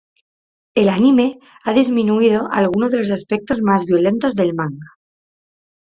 El anime ha disminuido algunos de los aspectos más violentos del manga.